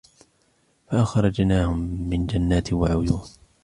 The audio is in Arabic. فَأَخْرَجْنَاهُمْ مِنْ جَنَّاتٍ وَعُيُونٍ